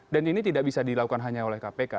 dan ini tidak bisa dilakukan hanya oleh kpk